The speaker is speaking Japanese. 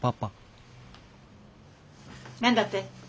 何だって？